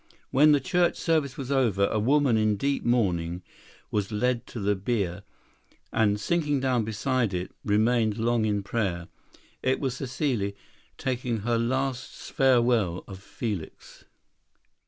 When the church service was over, a woman in deep mourning was led to the bier, and sinking down beside it, remained long in prayer. It was Cécile taking her last farewell of Felix.